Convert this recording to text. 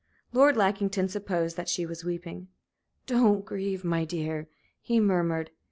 Lord Lackington supposed that she was weeping. "Don't grieve, my dear," he murmured.